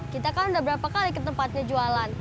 kita kan udah berapa kali ke tempatnya jualan